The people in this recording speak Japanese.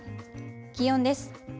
気温です。